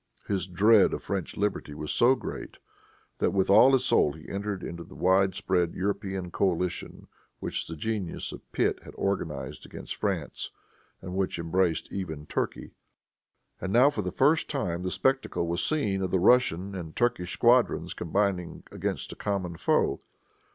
His dread of French liberty was so great, that with all his soul he entered into the wide spread European coalition which the genius of Pitt had organized against France, and which embraced even Turkey. And now for the first time the spectacle was seen of the Russian and Turkish squadrons combining against a common foe.